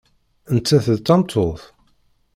Nettat d tameṭṭut?